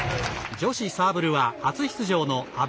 女子サーブルは初出場の阿部。